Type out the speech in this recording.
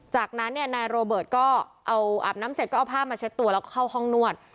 จากนั้นเนี่ยนายโรเบิร์ตก็เอาอาบน้ำเสร็จก็เอาผ้ามาเช็ดตัวแล้วก็เข้าห้องนวด